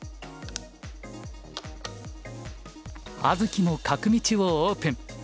葉月も角道をオープン。